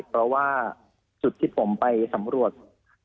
เพราะว่าจุดที่ผมไปสำรวจ